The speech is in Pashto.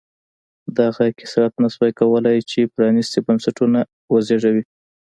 دغه کثرت نه شوای کولای چې پرانېستي بنسټونه وزېږوي.